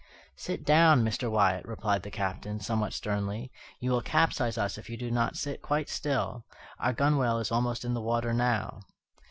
"Sit down, Mr. Wyatt," replied the Captain, somewhat sternly; "you will capsize us if you do not sit quite still. Our gunwale is almost in the water now."